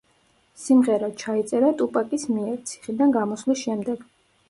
სიმღერა ჩაიწერა ტუპაკის მიერ, ციხიდან გამოსვლის შემდეგ.